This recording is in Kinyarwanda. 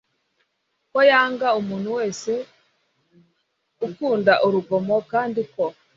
ko yanga umuntu wese ukunda urugomo kandi ko